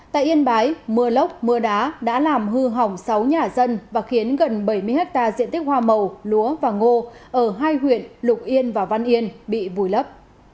tại yên bái mưa lốc mưa đá đã làm hư hỏng sáu nhà dân và khiến gần bảy mươi hectare diện tích hoa màu lúa và ngô ở hai huyện lục yên và văn yên bị vùi lấp